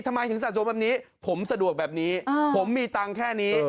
ทำไมถึงสะสมแบบนี้ผมสะดวกแบบนี้ผมมีตังค์แค่นี้